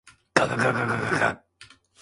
がががががが